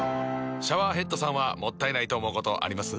シャワーヘッドさんはもったいないと思うことあります？